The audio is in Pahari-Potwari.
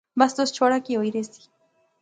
بس تس چھوڑا، کی ہوئی رہسی